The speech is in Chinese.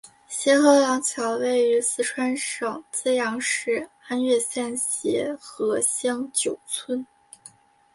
协和廊桥位于四川省资阳市安岳县协和乡九村。